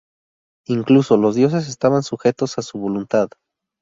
Incluso los dioses estaban sujetos a su voluntad.